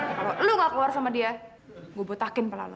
kalo lu ga keluar sama dia gua botakin pelalu